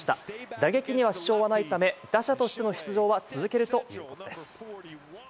打撃には支障はないため、打者としての出場は続けるということです。